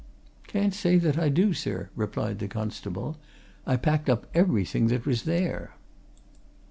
"Can't say that I do, sir," replied the constable. "I packed up everything that was there."